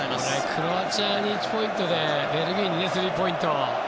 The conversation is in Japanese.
クロアチアに１ポイントでベルギーに３ポイント。